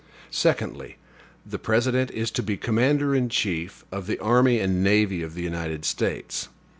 Second. The President is to be commander in chief of the army and navy of the United States.